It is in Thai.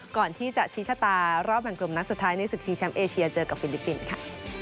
ก่อนที่จะชี้ชะตารอบแบ่งกลุ่มนัดสุดท้ายในศึกชิงแชมป์เอเชียเจอกับฟิลิปปินส์ค่ะ